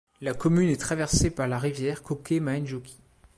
La commune est traversée par la rivière Kokemäenjoki.